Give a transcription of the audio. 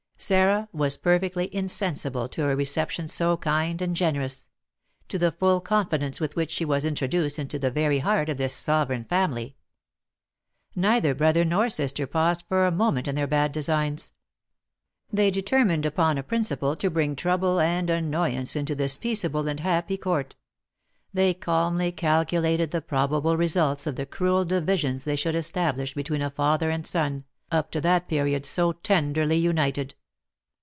Sarah was perfectly insensible to a reception so kind and generous, to the full confidence with which she was introduced into the very heart of this sovereign family. Neither brother nor sister paused for a moment in their bad designs; they determined upon a principle to bring trouble and annoyance into this peaceable and happy court; they calmly calculated the probable results of the cruel divisions they should establish between a father and son, up to that period so tenderly united.